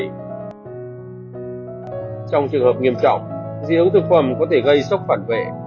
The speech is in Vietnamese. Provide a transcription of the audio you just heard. trong trường hợp nghiêm trọng dị ứng thực phẩm có thể gây sốc phản vệ